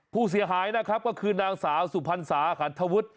ผู้เสียหายนะครับก็คือนางสาวสุพรรณสาขันทวุฒิ